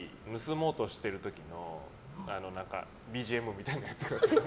もうとしてる時のＢＧＭみたいなのやってください。